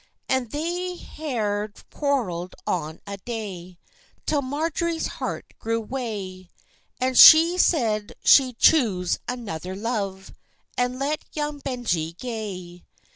And they ha'e quarrell'd on a day, Till Marjorie's heart grew wae; And she said she'd chuse another luve, And let young Benjie gae.